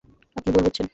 আপনি ভুল বুঝছেন।